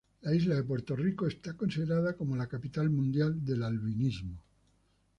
La isla de Puerto Rico es considerada como "La Capital Mundial del Albinismo".